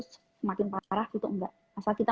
semakin parah gitu enggak asal kita